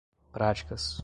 práticas